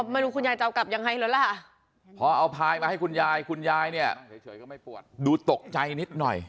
คุณยายจะเอากลับยังไงแล้วล่ะพอเอาพายมาให้คุณยายคุณยายเนี่ยดูตกใจนิดหน่อย